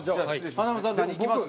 華丸さん何いきます？